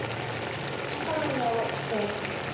Just let me know what you think